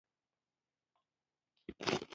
د سټیفن-بولټزمن قانون د وړانګو طاقت معلوموي.